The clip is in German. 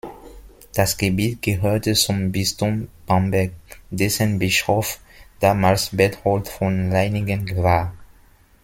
Das Gebiet gehörte zum Bistum Bamberg, dessen Bischof damals Berthold von Leiningen war.